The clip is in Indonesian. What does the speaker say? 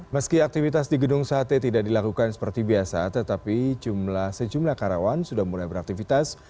meski aktivitas di gedung sate tidak dilakukan seperti biasa tetapi sejumlah karyawan sudah mulai beraktivitas